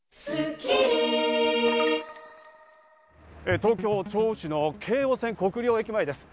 東京・調布市の京王線、国領駅前です。